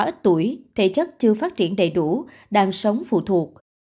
ít tuổi thể chất chưa phát triển đầy đủ đang sống phụ thuộc